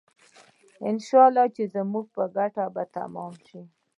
انشاالله چې زموږ په ګټه به تمام شي.